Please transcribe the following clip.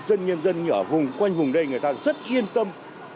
dân nhân dân ở vùng quanh vùng đây người ta rất yên tâm